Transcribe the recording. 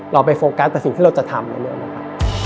เราไปโฟกัสตัวสิ่งที่เราจะทำ